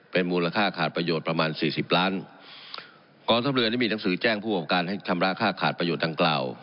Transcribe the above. เป็นมูลค่าขาดประโยชน์ประมาณสี่สิบล้านกองทัพเรือนี่มีหนังสือแจ้งผู้ประกอบการให้ชำระค่าขาดประโยชน์ดังกล่าว